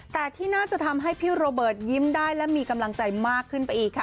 แต่ที่น่าจะทำให้พี่โรเบิร์ตยิ้มได้และมีกำลังใจมากขึ้นไปอีกค่ะ